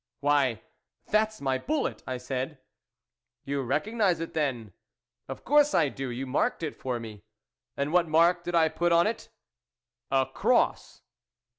" Why, that's my bullet," I said. v " You recognise it, then ?"" Of course I do, you marked it for me." " And what mark did I put on it ?"" A cross."